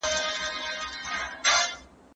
ما هغه کتاب په اتم ټولګي کي واخیست.